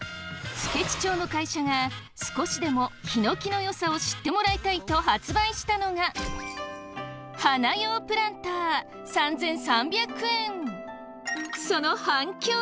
付知町の会社が少しでもヒノキの良さを知ってもらいたいと発売したのが花用プランター３，３００円。